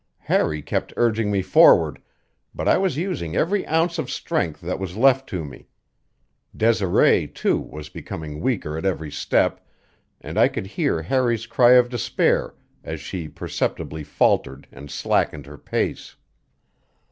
Harry kept urging me forward, but I was using every ounce of strength that was left to me. Desiree, too, was becoming weaker at every step, and I could hear Harry's cry of despair as she perceptibly faltered and slackened her pace.